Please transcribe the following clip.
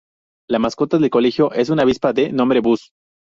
La mascota del colegio es una avispa de nombre Buzz.